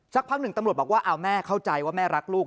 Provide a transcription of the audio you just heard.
พักหนึ่งตำรวจบอกว่าเอาแม่เข้าใจว่าแม่รักลูก